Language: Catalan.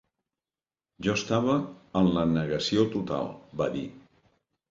"Jo estava en la negació total", va dir.